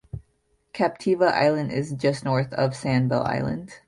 Captiva Island is just north of Sanibel Island.